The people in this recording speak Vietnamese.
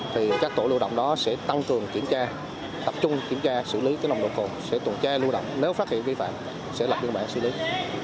thì các tổ lưu động đó sẽ tăng cường kiểm tra tập trung kiểm tra xử lý nồng độ cồn sẽ tuần tra lưu động nếu phát hiện vi phạm sẽ lập biên bản xử lý